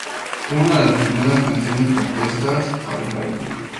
Fue una de las primeras canciones compuestas para el álbum.